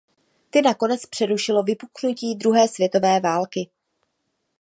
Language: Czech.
Ty nakonec přerušilo vypuknutí druhé světové války.